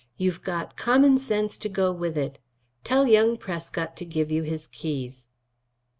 You've got common sense to go with it. Tell young Prescott to give you his keys."